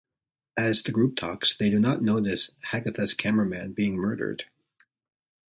As the group talks, they do not notice Hagitha's cameraman being murdered.